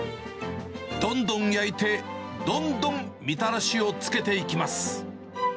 どんどん焼いて、どんどんみたらしをつけていきます。